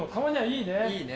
いいね。